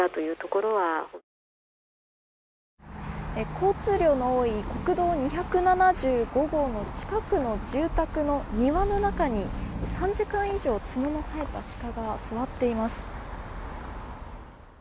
交通量の多い国道２７５号の近くの住宅の庭の中に３時間以上角の生えたシカが座っています。